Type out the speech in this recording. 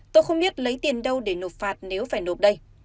tôi không biết lấy tiền đâu để nộp phạt nếu phải nộp đây